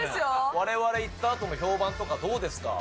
われわれ行ったあとの評判とかどうですか？